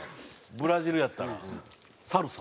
ブラジルやったらサルサ？